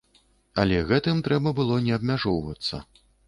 Але гэтым трэба было не абмяжоўвацца.